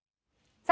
さあ